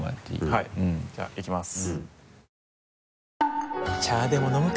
はいじゃあいきます。